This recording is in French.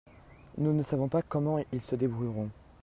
Nous ne savons pas comment ils se débrouilleront.